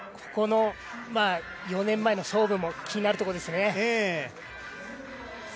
４年前の勝負も気になるところですね。